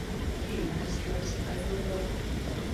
He is dressed as an adult.